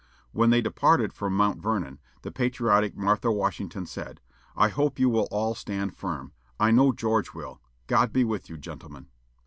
When they departed from Mount Vernon, the patriotic Martha Washington said: "I hope you will all stand firm. I know George will.... God be with you, gentlemen."